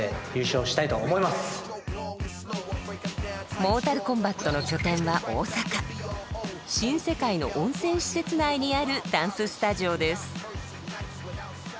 モータルコンバットの拠点は新世界の温泉施設内にあるダンススタジオです。